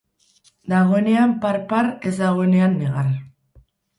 Dagoenean par-par, ez dagoenean negar.